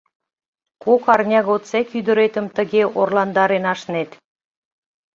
Кок арня годсек ӱдыретым тыге орландарен ашнет?